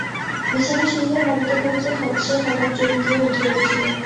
বিছানায় শুইয়া ভাবিতে ভাবিতে সে হঠাৎ চমকিয়া উঠিয়া বসিল।